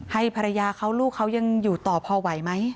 ให้ภรรยาเขาลูกเขายังอยู่ต่อพอไหวไหม